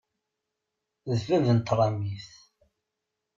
D bab n tṛamit.